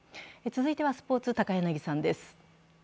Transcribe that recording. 続いてはスポーツ、高柳さんです。